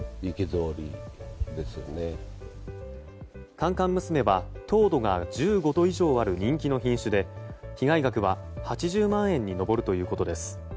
甘々娘は、糖度が１５度以上ある人気の品種で被害額は８０万円に上るということです。